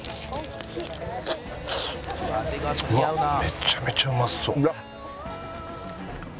うわっめちゃめちゃうまそう。